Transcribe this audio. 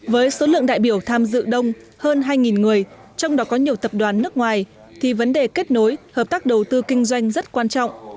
với số lượng đại biểu tham dự đông hơn hai người trong đó có nhiều tập đoàn nước ngoài thì vấn đề kết nối hợp tác đầu tư kinh doanh rất quan trọng